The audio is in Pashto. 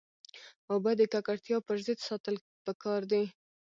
اوبه د ککړتیا پر ضد ساتل پکار دي.